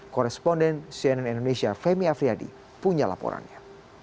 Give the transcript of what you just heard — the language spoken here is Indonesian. koresponden cnn indonesia femi afriyadi punya laporannya